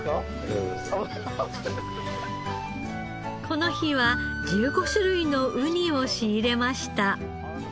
この日は１５種類のウニを仕入れました。